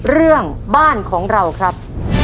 เรื่องบ้านของเราครับ